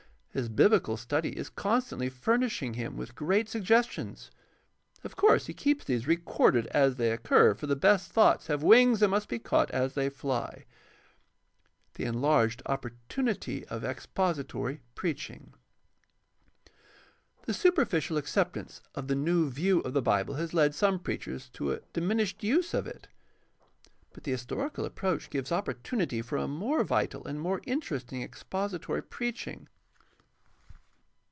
His biblical study is constantly fur nishing him with great suggestions. Of course he keeps these recorded as they occur, for the best thoughts have wings and must be caught as they fly. The enlarged opportunity of expository preaching. — The superficial acceptance of the new view of the Bible has led some preachers to a diminished use of it. But the his torical approach gives opportunity for a more vital and more interesting expository preaching.